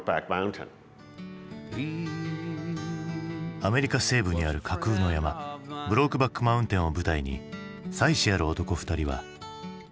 アメリカ西部にある架空の山ブロークバック・マウンテンを舞台に妻子ある男２人は誰にも言えない愛を紡いでいく。